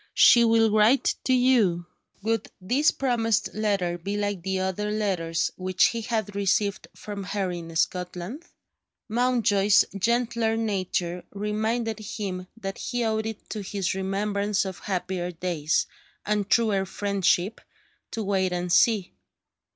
She will write to you." Would this promised letter be like the other letters which he had received from her in Scotland? Mountjoy's gentler nature reminded him that he owed it to his remembrance of happier days, and truer friendship, to wait and see.